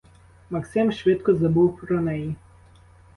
Максим швидко забув про неї.